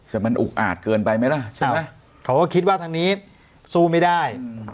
แต่มันอุกอาจเกินไปไหมล่ะใช่ไหมเขาก็คิดว่าทางนี้สู้ไม่ได้